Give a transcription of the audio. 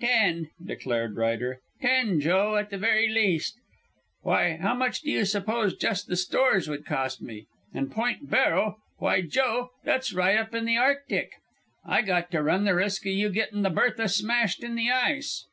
"Ten," declared Ryder, "ten, Joe, at the very least. Why, how much do you suppose just the stores would cost me? And Point Barrow why, Joe, that's right up in the Arctic. I got to run the risk o' you getting the Bertha smashed in the ice."